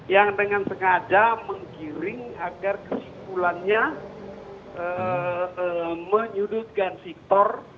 yang dengan sengaja menggiring agar kesimpulannya menyudutkan victor